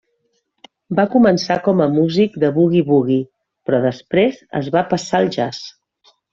Va començar com a músic de boogie-woogie però després es va passar al jazz.